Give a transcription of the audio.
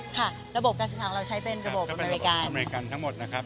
กระสุนศาสตร์อะไรอย่างนี้บ้างครับ